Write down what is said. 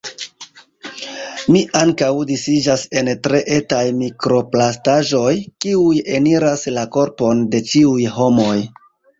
"Mi ankaŭ disiĝas en tre etaj mikroplastaĵoj, kiuj eniras la korpon de ĉiuj homoj."